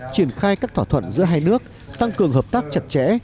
triển khai các thỏa thuận giữa hai nước tăng cường hợp tác chặt chẽ